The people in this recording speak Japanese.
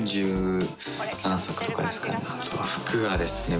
３０何足とかですかね。